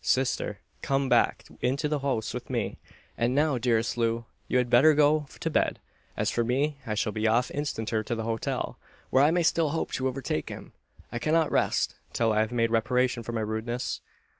Sister! come back into the house with me. And now, dearest Loo! you had better go to bed. As for me, I shall be off instanter to the hotel, where I may still hope to overtake him. I cannot rest till I have made reparation for my rudeness."